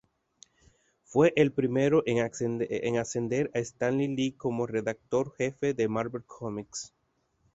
Fue el primero en suceder a Stan Lee como redactor jefe de Marvel Comics.